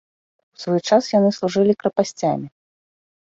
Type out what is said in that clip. У свой час яны служылі крэпасцямі.